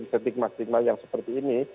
stigma stigma yang seperti ini